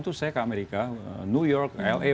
itu saya ke amerika new york la